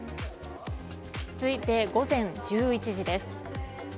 続いて、午前１１時です。